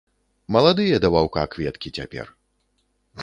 Маладыя да ваўка кветкі цяпер.